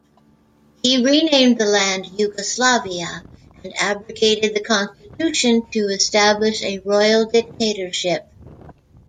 He renamed the land "Yugoslavia", and abrogated the constitution to establish a royal dictatorship.